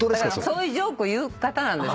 そういう冗句を言う方なんです